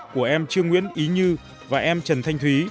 của em trương nguyễn ý như và em trần thanh thúy